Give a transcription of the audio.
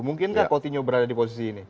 mungkinkah coutinho berada di posisi ini